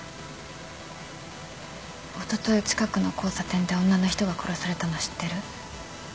おととい近くの交差点で女の人が殺されたの知ってる？